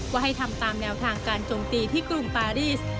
ว่าให้ทำตามแนวทางการจมตีที่กรุงปารีส